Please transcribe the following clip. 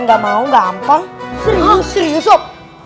nggak mau gampang serius serius sob